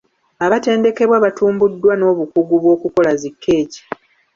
Abatendekebwa batumbuddwa n'obukugu bw'okukola zi kkeeki .